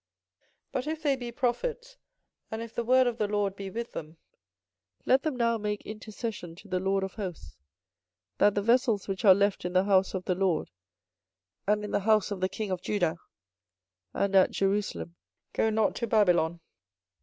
24:027:018 But if they be prophets, and if the word of the LORD be with them, let them now make intercession to the LORD of hosts, that the vessels which are left in the house of the LORD, and in the house of the king of Judah, and at Jerusalem, go not to Babylon.